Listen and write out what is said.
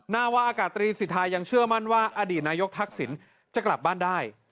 นาวาอากาศตรีสิทธายังเชื่อมั่นว่าอดีตนายกทักษิณจะกลับบ้านได้